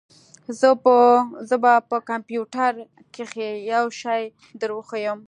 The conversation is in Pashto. زه به په کمپيوټر کښې يو شى دروښييم.